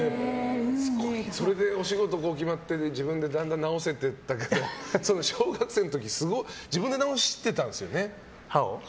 それでお仕事が決まって自分でだんだん治せていったけど小学生の時自分で治してたんですよね、歯を。